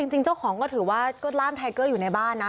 จริงเจ้าของก็ถือว่าก็ล่ามไทเกอร์อยู่ในบ้านนะ